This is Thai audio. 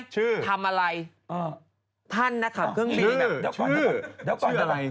๑๐เจ้าชายหล่อที่ตอนนี้เป็นกว่าใจ